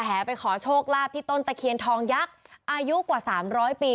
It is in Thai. ไปขอโชคลาภที่ต้นตะเคียนทองยักษ์อายุกว่า๓๐๐ปี